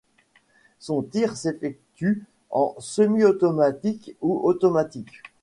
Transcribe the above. Son tir s'effectue en semi-automatique ou automatique.